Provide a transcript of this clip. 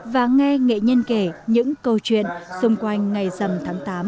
và nghe nghệ nhân kể những câu chuyện xung quanh ngày dầm tháng tám